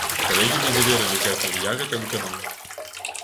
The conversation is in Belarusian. Калегі мне даверылі гэта, і я гэта выканаю.